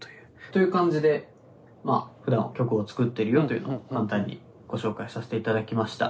という感じでふだん曲を作っているよというのを簡単にご紹介させていただきました。